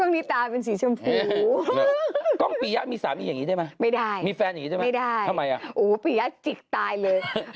ไม่ได้ปี่ห้าจิกตายเลย